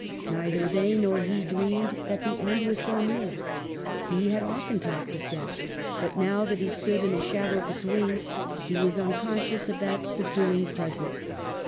Neither they nor he dreamed that the end was so near ; he had often talked of death, but now that he stood in the shadow of its wings, he was unconscious of that subduing presence.